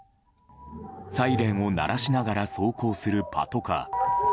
サイレンを鳴らしながら走行するパトカー。